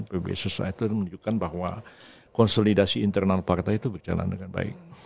pbb society menunjukkan bahwa konsolidasi internal partai itu berjalan dengan baik